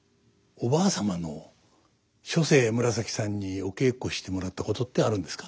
おばあ様の初世紫さんにお稽古してもらったことってあるんですか？